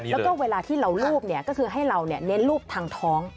แล้วก็เวลาที่เรารูปก็คือให้เราเน้นรูปทางท้อง